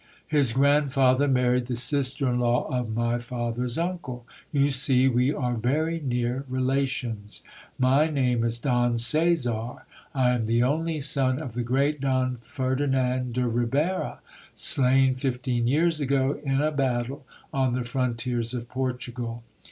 His grandfather married the sister in law of my father's uncle. You see we are very near relations. My name is Don Caesar. I am the only son of the great Don Ferdinand de Ribera, slain fifteen years ago, in a battle on the frontiers of Portugal.